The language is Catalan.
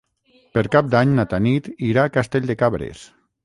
Per Cap d'Any na Tanit irà a Castell de Cabres.